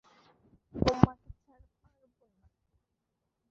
তোমাকে ছাড়া পারব না।